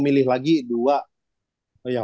milih lagi dua ya